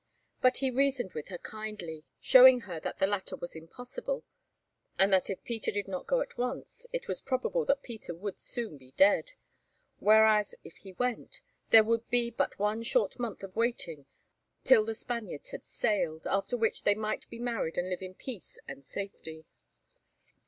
But he reasoned with her kindly, showing her that the latter was impossible, and that if Peter did not go at once it was probable that Peter would soon be dead, whereas, if he went, there would be but one short month of waiting till the Spaniards had sailed, after which they might be married and live in peace and safety.